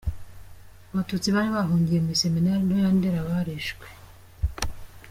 Abatutsi bari bahungiye mu Iseminari Nto ya Ndera, barishwe.